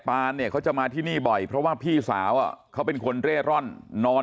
ปานเนี่ยเขาจะมาที่นี่บ่อยเพราะว่าพี่สาวเขาเป็นคนเร่ร่อนนอน